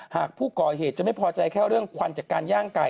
หากผู้ก่อเหตุจะไม่พอใจแค่เรื่องควันจากการย่างไก่